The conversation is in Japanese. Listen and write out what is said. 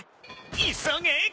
急げ！